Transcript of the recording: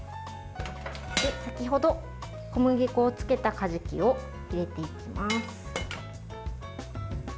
先程、小麦粉をつけたかじきを入れていきます。